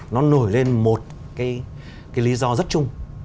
nó nổi lên một cái lý do rất chung